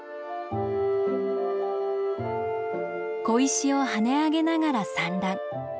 小石をはね上げながら産卵。